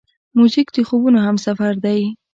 موزیک د خوبونو همسفر دی.